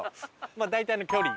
大体の距離。